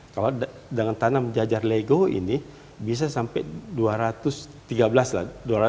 kalau dengan tanam jajar lego ini bisa sampai dua ratus tiga belas lah